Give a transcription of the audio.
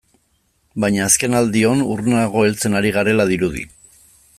Baina azkenaldion urrunago heltzen ari garela dirudi.